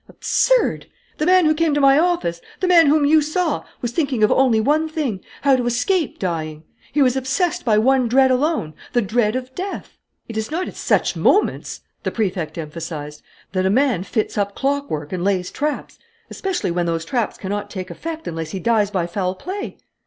Absurd! The man who came to my office, the man whom you saw, was thinking of only one thing: how to escape dying! He was obsessed by one dread alone, the dread of death. "It is not at such moments," the Prefect emphasized, "that a man fits up clockwork and lays traps, especially when those traps cannot take effect unless he dies by foul play.